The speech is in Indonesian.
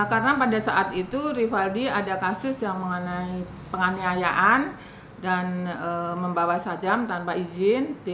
karena pada saat itu rivaldi ada kasus yang mengenai penganiayaan dan membawa sajam tanpa izin